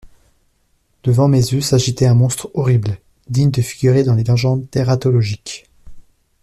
Devant mes yeux s'agitait un monstre horrible, digne de figurer dans les légendes tératologiques.